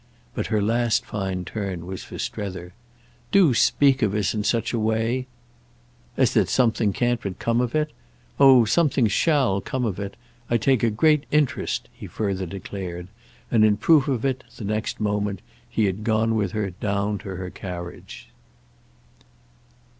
But her last fine turn was for Strether. "Do speak of us in such a way—!" "As that something can't but come of it? Oh something shall come of it! I take a great interest!" he further declared; and in proof of it, the next moment, he had gone with her down to her carriage.